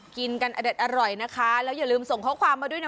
กินกันอเด็ดอร่อยนะคะแล้วอย่าลืมส่งข้อความมาด้วยนะ